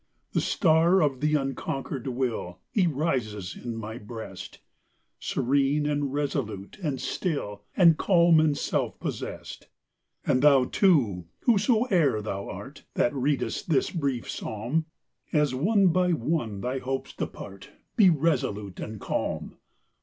The star of the unconquered will, He rises in my breast, Serene, and resolute, and still, And calm, and self possessed. And thou, too, whosoe'er thou art, That readest this brief psalm, As one by one thy hopes depart, Be resolute and calm.